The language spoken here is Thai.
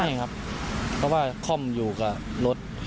ใช่ครับเพราะว่าค่อมอยู่กับรถ